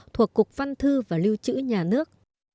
thuộc cục văn thư và lưu trữ nhà nước